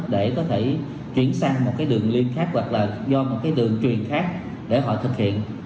để có thể chuyển sang một cái đường liên khác hoặc là do một cái đường truyền khác để họ thực hiện